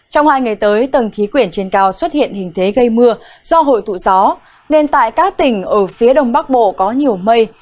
trong hai ngày tới tầng khí quyển trên cao xuất hiện hình thế gây mưa do hội tụ gió nên tại các tỉnh ở phía đông bắc bộ có nhiều mây